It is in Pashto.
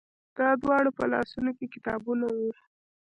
د دواړو په لاسونو کې کتابونه وو.